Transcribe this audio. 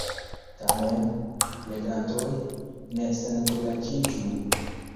Tamen, legantoj, ne senkuraĝiĝu.